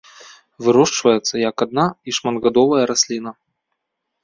Вырошчваецца як адна- і шматгадовая расліна.